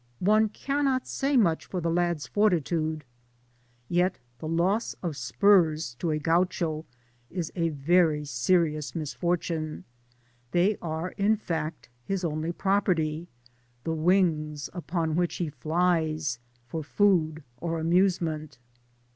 One cannot say much for the lad's fortitude, yet the loss of spurs to a Gaucho is a very serious mbfortune. They are in fact his only property — the wings upon which he flies for food or amusement.